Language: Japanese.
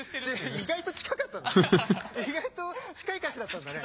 意外と近い歌詞だったんだね。